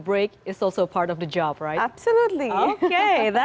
berantakan juga adalah bagian dari pekerjaan bukan